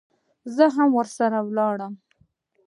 زه هم ورسره ولاړم.